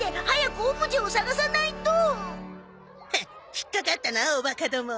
引っかかったなおバカども。